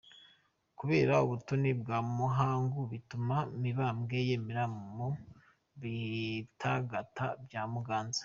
Kubera ubutoni bwa Muhangu, bituma Mibambwe yemera mu Bitagata bya Muganza.